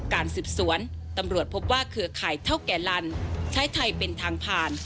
การสืบสวนตำรวจพบว่าเครือข่ายเท่าแก่ลันใช้ไทยเป็นทางผ่าน